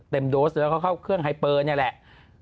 โดสแล้วก็เข้าเครื่องไฮเปอร์นี่แหละ